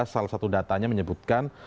salah satu datanya menyebutkan